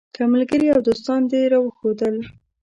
که ملګري او دوستان دې راوښودل.